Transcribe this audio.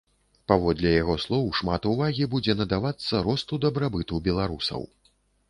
Паводле яго слоў, шмат увагі будзе надавацца росту дабрабыту беларусаў.